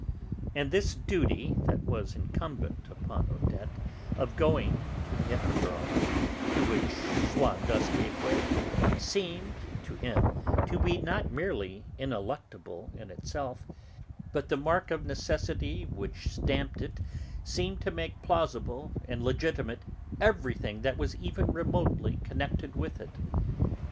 And this duty that was incumbent upon Odette, of going to the Hippodrome, to which Swann thus gave way, seemed to him to be not merely ineluctable in itself; but the mark of necessity which stamped it seemed to make plausible and legitimate everything that was even remotely connected with it.